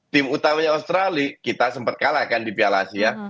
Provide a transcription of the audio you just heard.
tim utamanya australia kita sempat kalah kan di piala asia